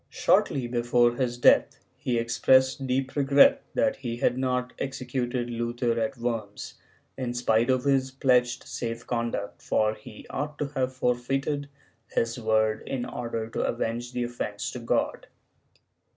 ^ Shortly before his death, he expressed deep regret that he had not executed Luther at Worms, in spite of liis pledged safe conduct, for he ought to have forfeited his word in order to avenge the offence to God.